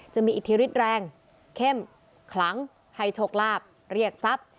อิทธิฤทธิแรงเข้มขลังให้โชคลาภเรียกทรัพย์